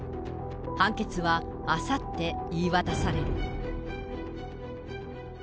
判決はあさって言い渡される。